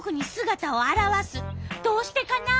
どうしてかな？